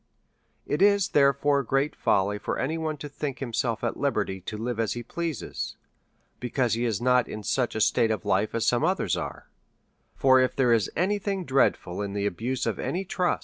It is, therefore, gi^eat folly for any One to think himself at liberty to live as he pleases, because he is not in such a state of life as some others are ; for if there is any thing dreadful in the abuse of any trust.